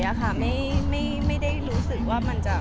แม็กซ์ก็คือหนักที่สุดในชีวิตเลยจริง